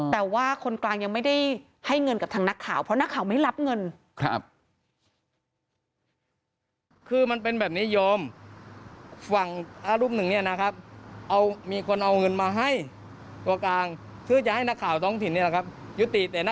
แต่ว่าคนกลางยังไม่ได้ให้เงินกับทางนักข่าวเพราะนักข่าวไม่รับเงิน